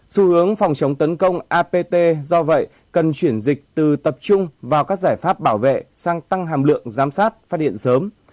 xu hướng phòng chống tấn công apt do vậy cần chuyển dịch từ tập trung vào các giải pháp bảo vệ sang tăng hàm lượng giám sát phát hiện sớm